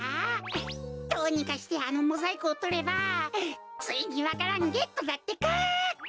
どうにかしてあのモザイクをとればついにわか蘭ゲットだってか！